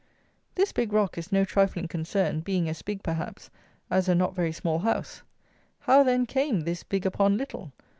This big rock is no trifling concern, being as big, perhaps, as a not very small house. How, then, came this big upon little?